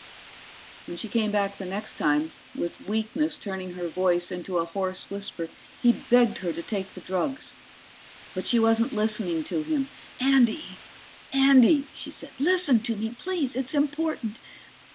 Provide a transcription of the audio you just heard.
When she came back the next time, with weakness turning her voice into a hoarse whisper, he begged her to take the drugs. But she wasn't listening to him. "Andy, Andy," she said, "listen to me please. It's important.